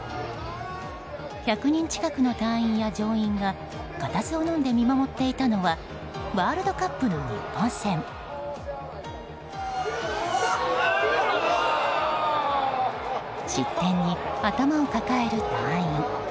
１００人近くの隊員や乗員が固唾をのんで見守っていたのはワールドカップの日本戦。失点に頭を抱える隊員。